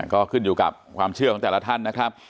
ก็ขึ้นอยู่กับความเชื่อของแต่ละท่านนะครับ